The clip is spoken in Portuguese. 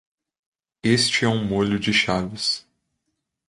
Este é um molho de chaves